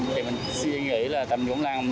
thì mình suy nghĩ là tầm dũng lăng